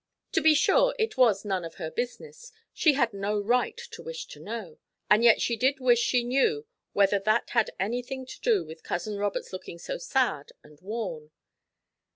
To be sure, it was none of her business, she had no right to wish to know, and yet she did wish she knew whether that had anything to do with Cousin Robert's looking so sad and worn.